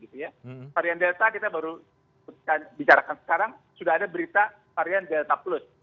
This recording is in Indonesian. varian delta kita baru bicarakan sekarang sudah ada berita varian delta plus